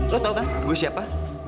lo tau kan gue siapa